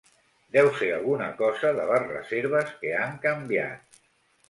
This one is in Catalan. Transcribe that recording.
Deu ser alguna cosa de les reserves que han canviat.